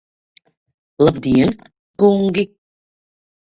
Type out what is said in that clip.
Labdien, kungi!